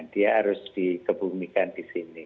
dia harus dikebumikan disini